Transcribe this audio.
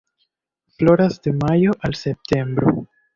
Floras de majo al septembro.